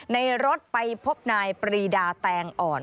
ในรถไปพบนายปรีดาแตงอ่อน